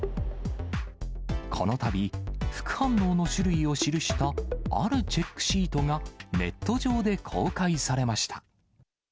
このたび、副反応の種類を記したあるチェックシートが、ネット上で公開されました。